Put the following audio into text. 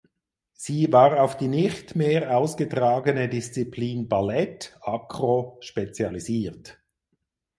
Sie war auf die nicht mehr ausgetragene Disziplin Ballett (Acro) spezialisiert.